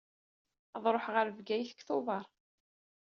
Ad ruḥeɣ ɣer Bgayet deg Tubeṛ.